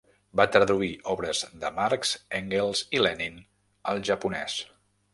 Va traduir obres de Marx, Engels i Lenin al japonès.